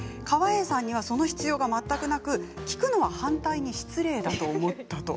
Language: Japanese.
川栄さんにはその必要が全くなく聞くのは反対に失礼だと思った。